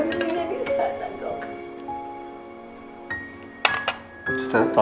saya mau cari mending dok